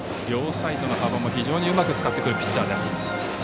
両サイドの幅も非常にうまく使ってくるピッチャーです。